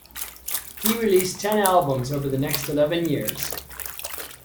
He released ten albums over the next eleven years.